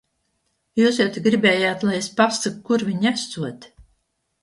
Jūs jau tik gribējāt, lai es pasaku, kur viņi esot.